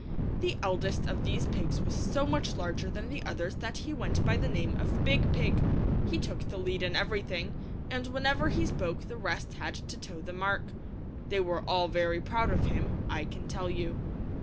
The eldest of these pigs was so much larger than the others that he went by the name of Big Pig. He took the lead in everything, and whenever he spoke the rest had to toe the mark. They were all very proud of him, I can tell you.